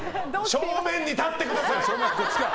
正面に立ってください！